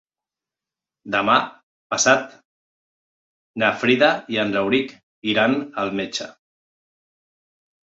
Demà passat na Frida i en Rauric iran al metge.